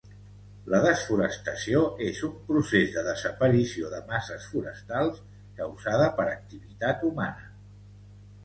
La desforestació és un procés de desaparició de masses forestals causada per activitat humana